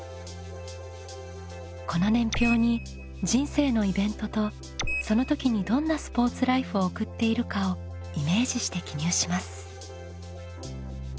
この年表に人生のイベントとその時にどんなスポーツライフを送っているかをイメージして記入します。